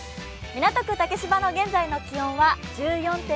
港区竹芝の現在の気温は１４．５度。